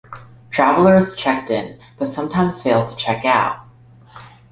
Travelers checked in, but sometimes failed to check out.